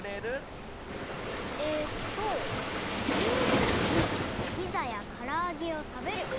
えっと１２じにピザやからあげをたべる。